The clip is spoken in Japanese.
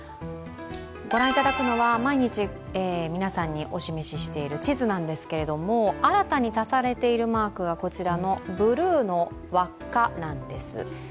ご覧いただくのは毎日皆さんにお示ししている地図なんですけれども新たに足されているマークがこちらのブルーの輪っかなんです。